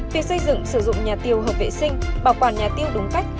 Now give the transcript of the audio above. việc xây dựng sử dụng nhà tiêu hợp vệ sinh bảo quản nhà tiêu đúng cách